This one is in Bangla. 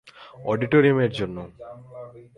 অডিটোরিয়াম এর জন্য।